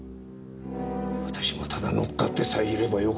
私もただ乗っかってさえいれば良かったと？